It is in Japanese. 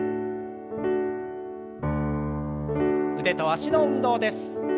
腕と脚の運動です。